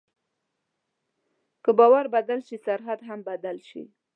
که باور بدل شي، سرحد هم بدل شي.